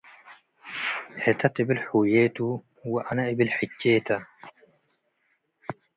ህተ ትብል ሑዬ ቱ ወአነ እብል ሕቼ ተ